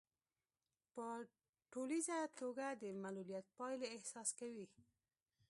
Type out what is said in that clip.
په ټولیزه توګه د معلوليت پايلې احساس کوي.